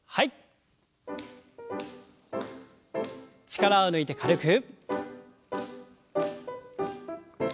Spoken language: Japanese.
力を抜いて軽く。